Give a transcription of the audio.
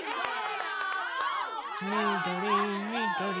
みどりみどり。